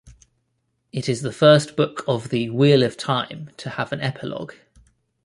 It is the first book of the "Wheel of Time" to have an epilogue.